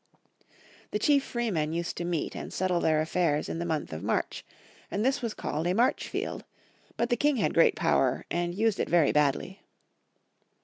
The chief freemen used to meet and settle their affairs in the month of March, and this was called a Marchfield; but the king had great power, and used it very badly.